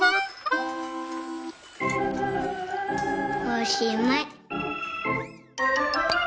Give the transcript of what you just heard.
おしまい！